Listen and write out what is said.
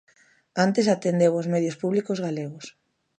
Antes atendeu os medios públicos galegos.